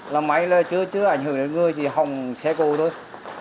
là máy là chưa ảnh hưởng đến người thì hòng xe cầu thôi